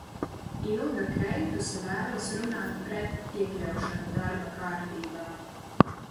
"Ilga Kreituse vēlas runāt "pret" iekļaušanu darba kārtībā."